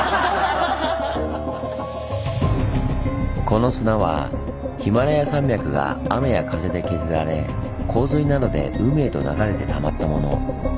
この砂はヒマラヤ山脈が雨や風で削られ洪水などで海へと流れてたまったもの。